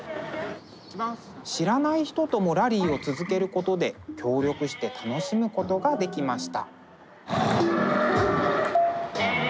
知らない人ともラリーを続けることで協力して楽しむことができました。